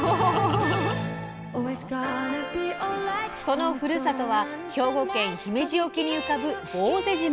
そのふるさとは兵庫県姫路沖に浮かぶ坊勢島。